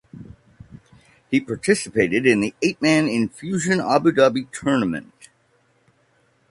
He participated in the eight man Enfusion Abu Dhabi tournament.